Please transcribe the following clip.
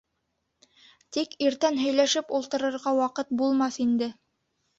Тик иртән һөйләшеп ултырырға ваҡыт булмаҫ инде.